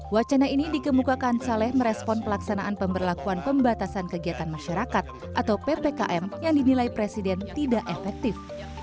wacana ini dikemukakan saleh merespon pelaksanaan pemberlakuan pembatasan kegiatan masyarakat atau ppkm yang dinilai presiden tidak efektif